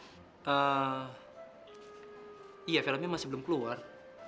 iya filmnya masih belum keluar